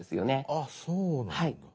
あっそうなんだ。